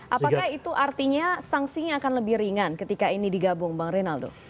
apakah itu artinya sanksinya akan lebih ringan ketika ini digabung bang rinaldo